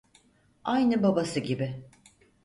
Aynı babası gibi.